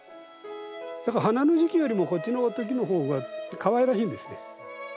だから花の時期よりもこっちのときのほうがかわいらしいんですね。